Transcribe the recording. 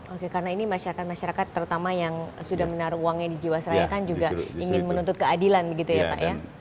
oke karena ini masyarakat masyarakat terutama yang sudah menaruh uangnya di jiwasraya kan juga ingin menuntut keadilan begitu ya pak ya